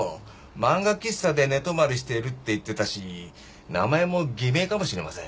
漫画喫茶で寝泊まりしているって言ってたし名前も偽名かもしれません。